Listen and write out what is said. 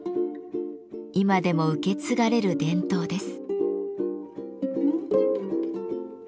今でも受け継がれる伝統です。